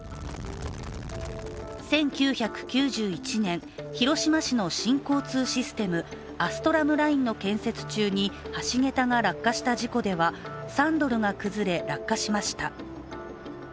１９９１年、広島市の新交通システムアストラムラインの建設中に橋桁が落下した事故ではサンドルが崩れ、落下しました。